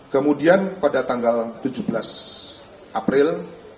kemudian pada tanggal tujuh belas april